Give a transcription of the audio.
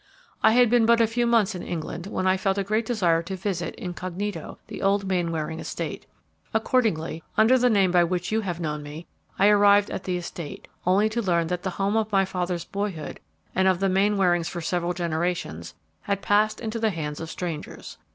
"I had been but a few months in England when I felt a great desire to visit, incognito, the old Mainwaring estate. Accordingly, under the name by which you have known me, I arrived at the estate, only to learn that the home of my father's boyhood, and of the Mainwarings for several generations, had passed into the hands of strangers.